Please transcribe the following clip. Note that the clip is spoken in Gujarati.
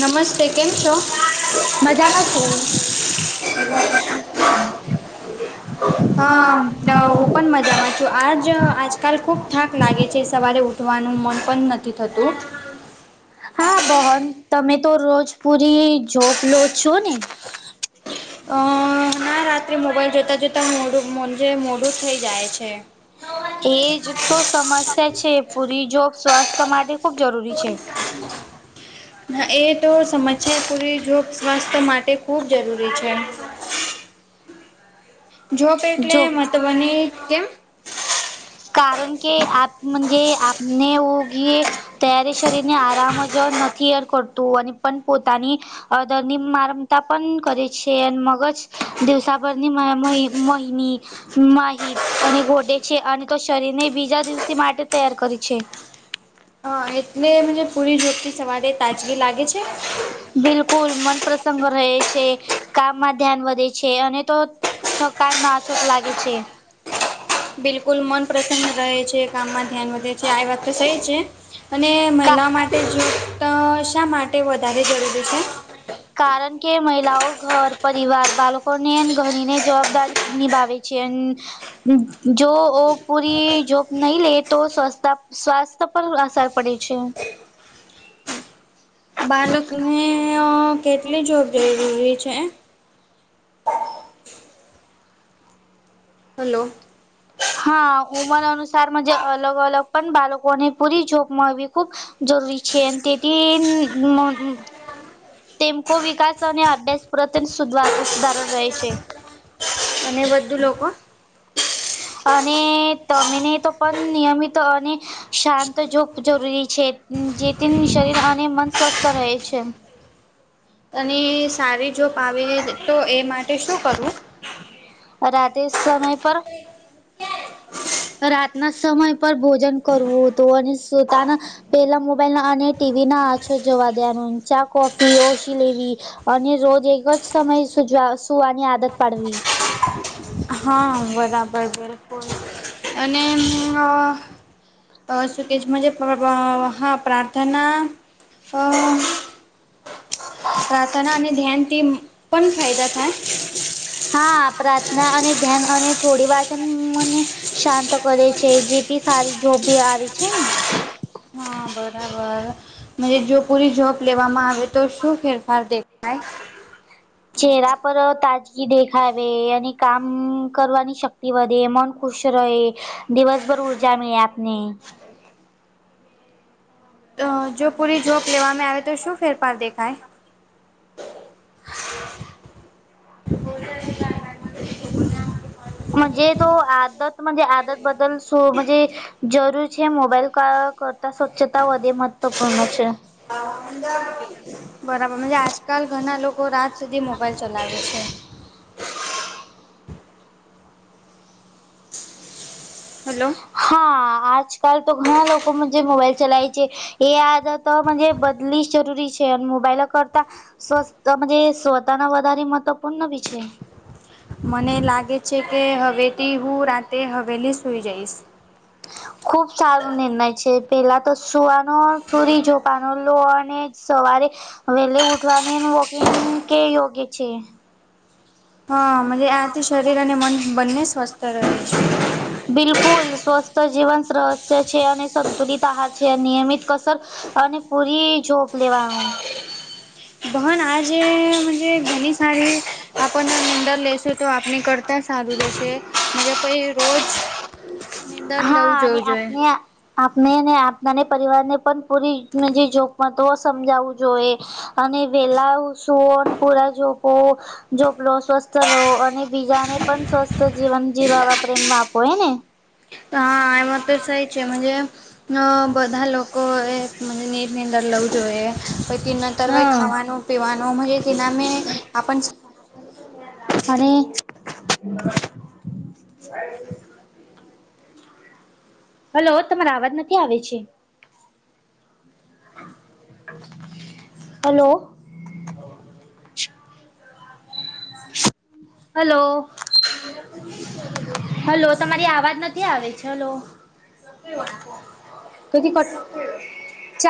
નમસ્તે કેમ છો? મજામાં છું હા હુ પણ મજામાં છુ તો આજ આજકાલ ખૂબ થાક લાગે છે સવારે ઉઠવાનું મન પણ નથી થતું. હા બહન તમે તો રોજ પુરી જોપ લો છો ને અ ના રાત્રે મોબાઈલ જોતા જોતા મોડુંજ મોડું જ થઈ જાય છે. એજ તો સમસ્યા છે પૂરી જોબ સ્વાસ્થ્ય માટે ખૂબ જરૂરી છે. હ એ તો સમસ્યા પૂરી જોગ સ્વાસ્થ્ય માટે ખૂબ જરૂરી છે. જોબ એટલે જો મને કેમ. કારણ કે આપ મંજે આપને ઓગી. ત્યારે શરીર ને આરામજ નથી એર કરતું અને પણ પોતાની. અ ધની મારમતા પણ કરે છે અને મગજ. દિવસાભરની મહિની માહિત અને ગટેે છે અને. શરીર ને બીજા દિવસે માટે તૈયાર કરી છે. અ એટલે મ પૂરી જોડથી સવારે તાજગી લાગે છે. બિલકુલ મન પ્રસંગ રહે છે કામમાં ધ્યાન વધે છે અને તો. થક નાચત લાગે છે. બિલકુલ મન પ્રસન્ન રહે છે કામમાં ધ્યાન વધે છે આવાત તો સઈ છે. અને કા મહિલાઓ માટે જૂથ શા માટે વધારે જરૂરી છે. કારણ કે મહિલાઓ ઘર પરિવાર બાળકોને ઘણીને જવાબદારી. નિભાવ છે અને. જો ઓ પૂરી જોબ નહી લે તો સ્વસ્છતા સ્વાસ્થ. પર અસર પડે છે. બાળકને કેટલી જોબ જરૂરી છે. હલો. હા ઉમર અનુસાર મગજ અલગ અલગ પણ બાળકોને પૂરી જોબ મળવી ખુબ. જરૂરી છે અને તેથી. તેમ વિકાસ અને અ્યાસ પ્રત સુધારો રહે છે. અને બધું લોકો. અને તમેને તો પણ નિયમિત અને. શાંત જો જરૂરી છે જેથી શરીર અને મન સ્વસ્થ રહે છે. અને સારી જોપ આવે તો એ માટે શું કરવું. રાતે સમય પર. હ. રાતના સમય પર ભોજન કરવું હતું અને પોતાના. પેલા મોબાઈલ અને ટીવીના આછો જોવા દેનું ચા કોફી ઓ શિલેવી. અને રોજ એકજ સમય સુજવા સુવાની આદત પાડવી. હા બરાબર બિલકુલ અને. શુભ કહે છે એજ હા પ્રાર્થના અ. પ્રાર્થના અને ધ્યાન થી પણ ફાયદા થાય. હા પ્રાર્થના અને ધ્યાન અને થોડી વાચન મને. શાંત કરે છે જેથી સારી જોબી આવે છે ને. હા બરાબર જો પૂરી જોબ લેવામાં આવે તો શું ફેરફાર દેખાય. ચહેરા પર તાજગી દેખાવે અને કામ કરવાની શક્તિ વધે મન. ખુશ રહે દિવસભર ઉર્જા મેળ આપને. જો પૂરી જોક લેવામાં આવે તો શું ફેરફાર દેખાય. [inaudible] મજે તો આદત. આદત બદલ સુ સો મજે જરૂર છે મોબાઈલ કરતા સ્વચ્છતા વધે મહત્વપૂર્ણ છે. બરાબર આજકાલ ઘણા લોકો રાત સુધી મોબાઈલ ચલાવે છે હેલો હા આજકાલ તો ઘણા લોકોમાં જે મોબાઈલ ચલાય છે. એ આદત બદલી જ જરૂરી છે મોબાઈલ કરતા સ્વ [unintelligible] સ્વતાના વધારે મહત્વપૂર્ણ વિષય મને લાગે છે કે હવેથી હું રાતે હવેલી સુઈ જઈશ ખુબ સારું નિર્ણય છે પેલા તો સુવાનો સુરી જોપાનો અને સવારે વહેલી ઉઠવાની વોકિંગ કે યોગ્ય છે. હા આથી શરીર અને મન બંને સ્વસ્થ રહે છે. બિલકુલ સ્વસ્થ જીવન સરહસ્ય છે અને સંતુલિત આહાર છે, નિયમિત કસર અને પૂરી જોપ લેવાનું આ જે મજે ઘણી સારી આપણને નિંદર લેશે તો આપણી કરતાં સારું લેશે માજા પય રોજ નીંદર હા લવું અને જોવું જોઈએ આપને આપણે ને આપનાને પરિવાર ને પણ પૂરી નજી જોખમતો સમજાવું જોઈએ અને વેલા સુઓ પૂરા જો બહ જપલો સ્વસ્થ રહો અને બીજાને પણ સ્વસ્થ જીવન જીવાવા પ્રેમ માં આપો હને તો હા એમાં તો સહી છે મજે ન બધા લોકોએ મ નીરની અંદર લવું જોઈએ પ ક નતર હો હા ખાવાનું પીવાનું મુહતે નામે આપન અને [inaudible] હલો તમારા આવાજ નથી આવે છે હલો હલો [inaudible] હલો તમારી આવાજ નથી આવી છે હલો કથી કટ